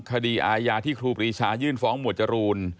คดีอาญาที่ครูปรีชายื่นฟ้องหมวดจรูน